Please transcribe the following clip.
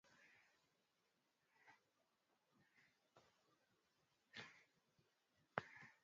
lugha duni yaani lugha ya kutumiwa na